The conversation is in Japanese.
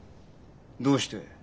どうして？